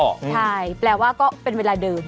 ใช่แปลว่าก็เป็นเวลาเดิม